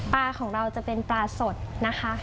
ของเราจะเป็นปลาสดนะคะ